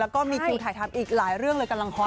แล้วก็มีครูถ่ายทำอีกหลายเรื่องเลยกำลังฮอต